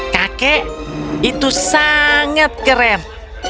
kakek itu sangat keren